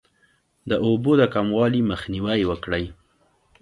د اوبو د کموالي مخنیوی وکړئ.